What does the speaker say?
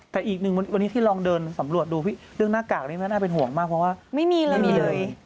แต่อีกหนึ่งวันนี้ที่ลองเดินสำรวจดูเรื่องหน้ากากนี้ไม่น่าเป็นห่วงมากเพราะว่าไม่มีเลยไม่มีเลย